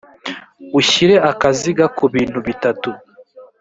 ushyire akaziga ku bintu bitatu.